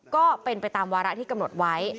ก็เป็นไปตามวาระที่กำหนดไว้